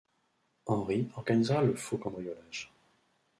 Henri organisera le faux cambriolage.